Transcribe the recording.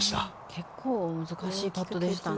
結構難しいパットでしたね。